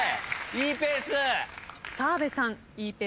いいペースです。